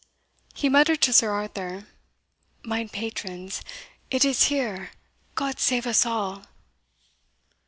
He muttered to Sir Arthur, "Mine patrons, it is here Got save us all!"